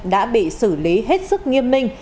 đã bị xử lý hết sức nghiêm minh